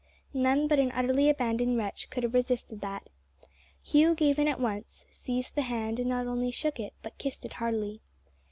None but an utterly abandoned wretch could have resisted that. Hugh gave in at once seized the hand, and not only shook it, but kissed it heartily.